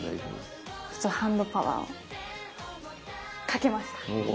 ハンドパワーをかけました！